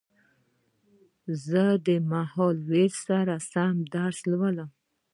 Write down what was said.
زه د مهال وېش سره سم درس لولم